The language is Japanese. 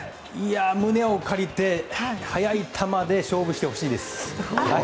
胸を借りて速い球で勝負してほしいです。